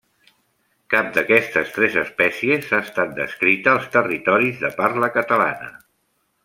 Cap d'aquestes tres espècies ha estat descrita als territoris de parla catalana.